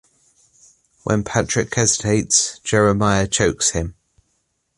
When Patrick hesitates, Jeremiah chokes him.